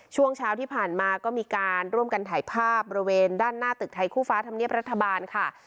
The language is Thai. ช่วงเช้าที่ผ่านมาก็มีการร่วมกันถ่ายภาพบริเวณด้านหน้าตึกไทยคู่ฟ้าธรรมเนียบรัฐบาลค่ะ